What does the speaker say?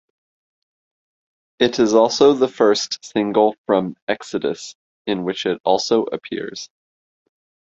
It is also the first single from "Exodus", in which it also appears.